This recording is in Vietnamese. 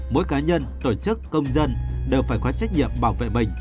mỗi cá nhân tổ chức công dân đều phải có trách nhiệm bảo vệ mình